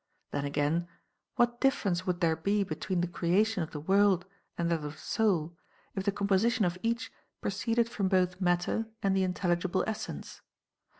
Then again, what difference would there be between the creation of the world and that of the soul, if the composition of each proceeded from both matter and the intelligible essence